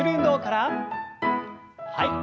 はい。